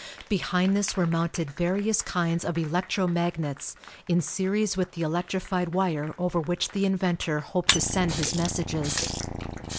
Behind this were mounted various kinds of electro magnets in series with the electrified wire over which the inventor hoped to send his messages.